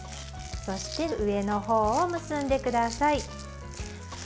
そして、上の方を結んでください。